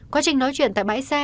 quá trình nói chuyện tại bãi xe